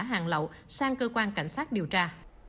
hàng lậu sang cơ quan cảnh sát điều tra